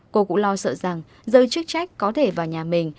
cô cũng lo sợ rằng giới chức trách có thể vào nhà mình